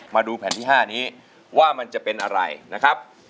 มาดูแผ่นที่๕นี้ว่ามันจะเป็นอะไรนะครับ